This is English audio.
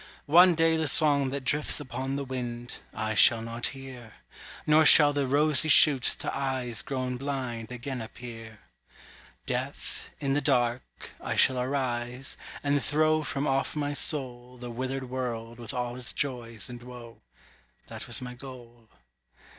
One day the song that drifts upon the wind, I shall not hear; Nor shall the rosy shoots to eyes grown blind Again appear. Deaf, in the dark, I shall arise and throw From off my soul, The withered world with all its joy and woe, That was my goal.